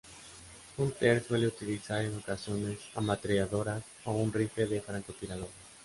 Hunter suele utilizar en ocasiones ametralladoras o un rifle de francotirador.